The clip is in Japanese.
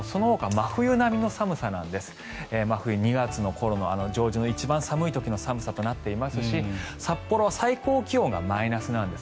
真冬、２月上旬の一番寒い時の寒さとなっていますし札幌は最高気温がマイナスなんです。